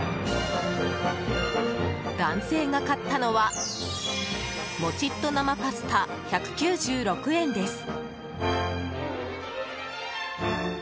男性が買ったのはもちっと生パスタ、１９６円です。